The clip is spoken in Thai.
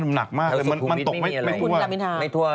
ใช่มีทั่วฟ้า